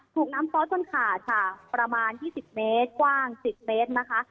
ถูกน้ำซอสจนขาดค่ะประมาณ๒๐เมตรกว้าง๑๐เมตรนะคะ